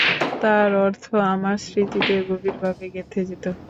তার অর্থ আমার স্মৃতিতে গভীরভাবে গেঁথে যেত।